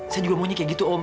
saya juga maunya kayak gitu om